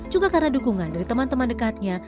juga karena dukungan dari teman teman dekatnya